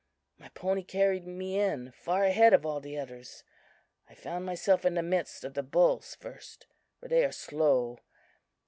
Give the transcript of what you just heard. "My pony carried me in far ahead of all the others. I found myself in the midst of the bulls first, for they are slow.